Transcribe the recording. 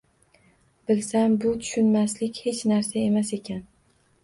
Bilsam bu tushunmaslik hech narsa emas ekan.